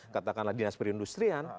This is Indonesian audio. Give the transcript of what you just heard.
katakanlah dinas perindustrian